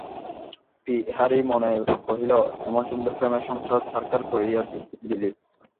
বিহারী মনে মনে কহিল, এমন সুন্দর প্রেমের সংসার ছারখার করিয়া দিলি!